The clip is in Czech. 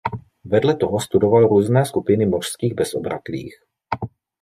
Vedle toho studoval různé skupiny mořských bezobratlých.